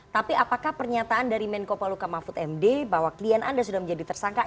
tapi apakah pernyataan dari menko paluka mahfud md bahwa klien anda sudah menjadi tersangka